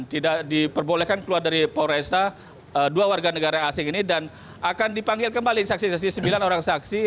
tidak diperbolehkan keluar dari polresta dua warga negara asing ini dan akan dipanggil kembali saksi saksi sembilan orang saksi